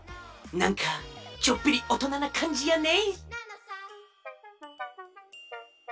なんかちょっぴりおとななかんじやね。